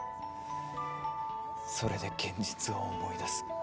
それで現実を思い出す。